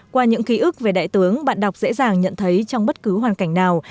qua những ký ức về đại tướng bạn đọc dễ dàng nhận thấy trong bất cứ hoàn cảnh nào